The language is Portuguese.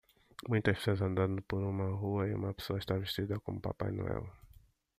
Muitas pessoas andando por uma rua e uma pessoa está vestida como Papai Noel.